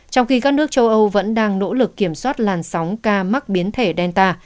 trong khi các nước châu âu vẫn đang nỗ lực kiểm soát làn sóng ca mắc biến thể delta